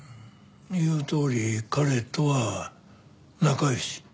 言うとおり彼とは仲良し。